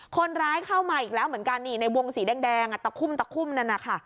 คนร้ายเข้ามาอีกแล้วเหมือนกันในวงสีแดงตะคุ่มนั่น